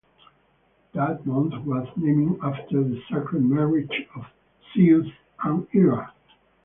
That month was named after the sacred marriage of Zeus and Hera.